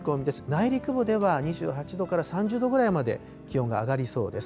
内陸部では２８度から３０度ぐらいまで気温が上がりそうです。